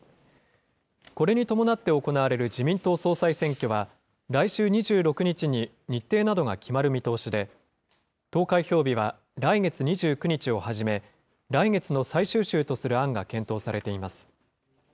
これに伴って行われる自民党総裁選挙は、来週２６日に日程などが決まる見通しで、投開票日は来月２９日をはじめ、来月の最終週とする案が検討されています。